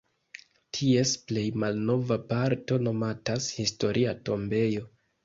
Ties plej malnova parto nomatas "Historia tombejo".